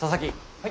はい。